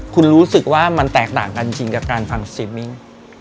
คุณรู้สึกว่ามันแตกต่างกันจริงกับการฟังซีมิ้ง